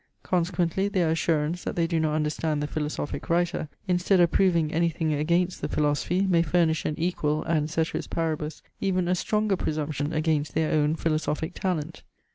Consequently their assurance, that they do not understand the philosophic writer, instead of proving any thing against the philosophy, may furnish an equal, and (caeteris paribus) even a stronger presumption against their own philosophic talent.